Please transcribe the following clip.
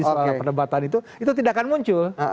soal perdebatan itu itu tidak akan muncul